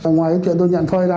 ngoài cái chuyện tôi nhận phơi ra